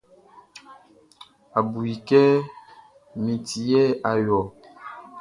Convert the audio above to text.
A bu i kɛ min ti yɛ a yo ɔ.